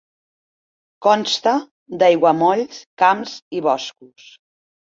Consta d'aiguamolls, camps i boscos.